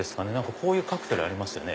こういうカクテルありますよね。